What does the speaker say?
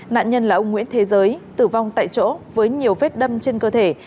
nạn nhân là ông nguyễn thế giới tử vong tại chỗ với nhiều vết đâm trên cơ thể